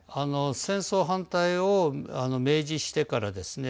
戦争反対を明示してからですね